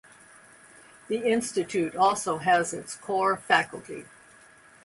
The institute also has its Core Faculty.